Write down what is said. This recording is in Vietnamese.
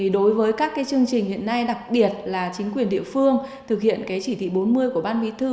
đối với các chương trình hiện nay đặc biệt là chính quyền địa phương thực hiện chỉ thị bốn mươi của ban mỹ thư